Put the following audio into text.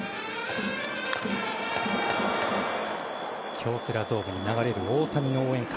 京セラドームに流れる大谷の応援歌。